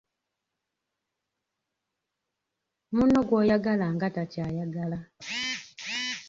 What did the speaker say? Munno gw’oyagala nga takyayagala